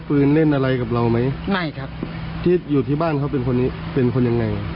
เป็นคนเรียบร้อย